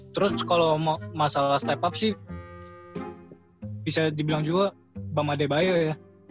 terus kalo masalah step up sih bisa dibilang juga bam adebayo ya